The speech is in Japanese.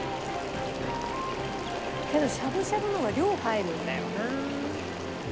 けどしゃぶしゃぶの方が量入るんだよな。